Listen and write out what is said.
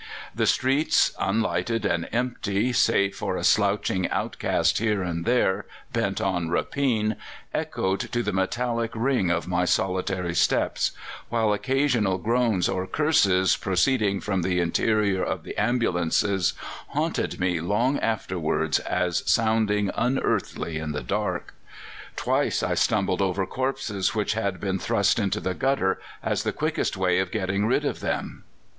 The streets, unlighted and empty, save for a slouching outcast here and there bent on rapine, echoed to the metallic ring of my solitary steps; while occasional groans or curses proceeding from the interior of the ambulances haunted me long afterwards as sounding unearthly in the dark. Twice I stumbled over corpses which had been thrust into the gutter as the quickest way of getting rid of them.